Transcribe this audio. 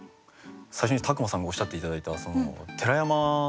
最初に宅間さんがおっしゃって頂いた寺山